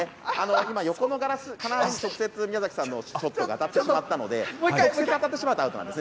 今、横のガラス、金網に直接、宮崎さんのショットが当たってしまったので、直接当たってしまうとアウトなんですね。